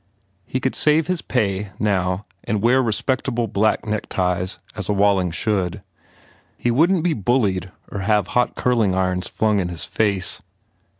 He could save his pay, now, and wear respectable, black neckties, as a Walling should. He wouldn t be bullied or have hot curling irons flung in his face.